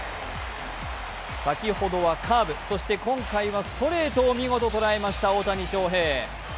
先ほどはカーブ、そして今回はストレートを見事捉えました、大谷翔平